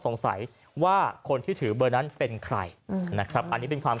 สงสัยว่าคนที่ถือเบอร์นั้นเป็นใครนะครับอันนี้เป็นความ